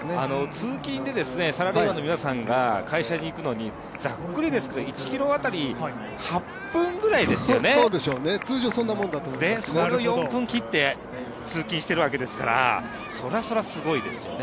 通勤でサラリーマンの皆さんが会社に行くのに、ざっくりですけど１ｋｍあたり８分ぐらいですよね、それを４分切って通勤しているわけですからそれはすごいですよね。